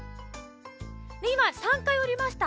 でいま３かいおりました。